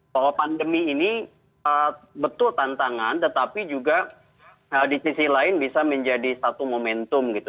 bahwa pandemi ini betul tantangan tetapi juga di sisi lain bisa menjadi satu momentum gitu